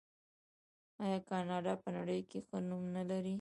آیا کاناډا په نړۍ کې ښه نوم نلري؟